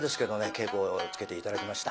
稽古をつけて頂きました。